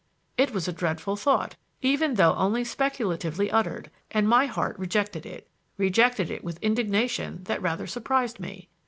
It was a dreadful thought, even though only speculatively uttered, and my heart rejected it; rejected it with indignation that rather surprised me.